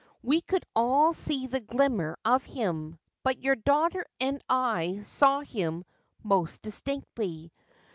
We could all see the glimmer of him ; but your daughter and I saw him most distinctly.